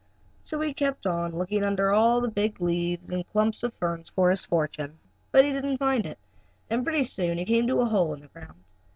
So he kept on, looking under all the big leaves and clumps of ferns for his fortune. But he didn't find it, and pretty soon he came to a hole in the ground.